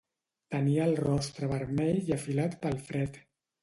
Tenia el rostre vermell i afilat pel fred.